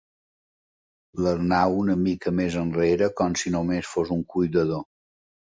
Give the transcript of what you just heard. L'Arnau una mica més enrere, com si només fos un cuidador.